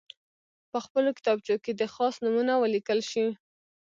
په خپلو کتابچو کې دې خاص نومونه ولیکل شي.